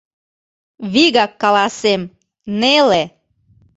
Вигак каласем: неле!